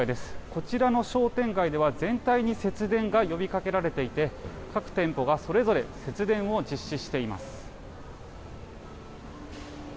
こちらの商店街では全体に節電が呼びかけられていて各店舗がそれぞれ節電を実施しています。